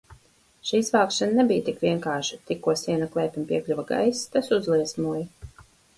Šī izvākšana nebija tik vienkārša, tikko siena klēpim piekļuva gaiss, tas uzliesmoja.